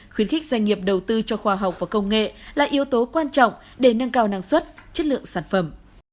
khuyến khích doanh nghiệp đầu tư cho khoa học và công nghệ là yếu tố quan trọng để nâng cao năng suất chất lượng sản phẩm